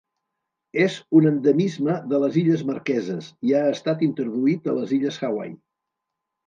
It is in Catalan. És un endemisme de les Illes Marqueses i ha estat introduït a les Illes Hawaii.